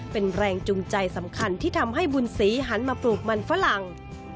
เป็นแรงจูงใจสำคัญที่ทำให้บุญศรีหันมาปลูกมันฝรั่ง